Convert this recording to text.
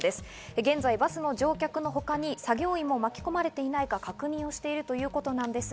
現在バスの乗客のほかに作業員も巻き込まれていないか確認をしているということです。